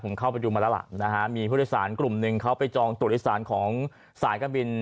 ผมเข้าไปดูมาแล้วล่ะนะฮะมีผู้โดยสารกลุ่มหนึ่งเขาไปจองตัวโดยสารของสายการบิน